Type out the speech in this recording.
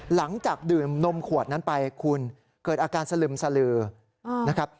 หลังจากดื่มนมขวดนั้นไปคุณเกิดอาการสลึมสลือนะครับ